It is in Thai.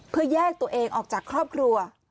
เพื่อแยกตัวเองออกจากครอบครัว